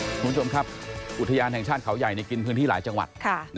คุณผู้ชมครับอุทยานแห่งชาติเขาใหญ่กินพื้นที่หลายจังหวัด